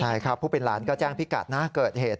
ใช่ครับผู้เป็นหลานก็แจ้งพิกัดนะเกิดเหตุ